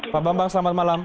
pak bambang selamat malam